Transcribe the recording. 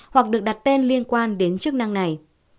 hoặc được đặt tên liên quan đến chức năng này